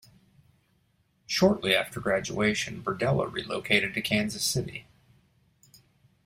Shortly after graduation, Berdella relocated to Kansas City.